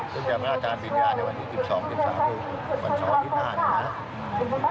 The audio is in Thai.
ซึ่งจะมาอาจารย์ปริญญาในวันที่๑๒๑๓วัน๑๒๑๕นะครับ